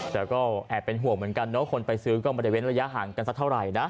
แต่ก็แอบเป็นห่วงเหมือนกันเนอะคนไปซื้อก็ไม่ได้เว้นระยะห่างกันสักเท่าไหร่นะ